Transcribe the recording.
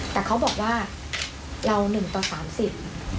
แต่เขาบอกว่าเรา๑ต่อ๓๐